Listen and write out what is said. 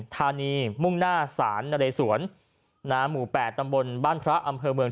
ธานีมุ่งหน้าศาลนะเรสวนหมู่๘ตำบลบ้านพระอำเภอเมือง